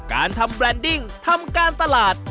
การทำแบรนดิ้งทำการตลาด